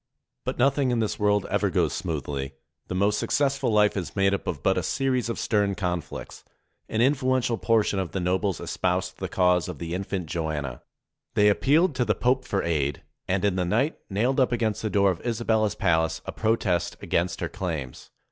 But nothing in this world ever goes smoothly. The most successful life is made up of but a series of stern conflicts. An influential portion of the nobles espoused the cause of the infant Joanna. They appealed to the Pope for aid, and in the night nailed up against the door of Isabella's palace a protest against her claims.